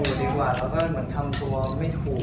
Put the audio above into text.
ดีกว่าแล้วก็เหมือนทำตัวไม่ถูก